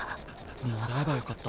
もらえばよかった。